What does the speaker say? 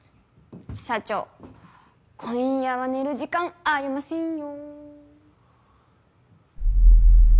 社長今夜は寝る時間ありませんよ。